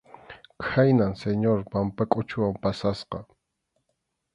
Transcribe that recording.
Khaynam Señor Pampakʼuchuwan pasasqa.